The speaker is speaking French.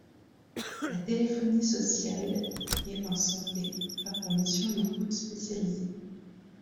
La téléphonie sociale et en santé a pour mission l’écoute spécialisée.